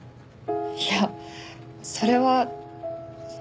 いやそれは。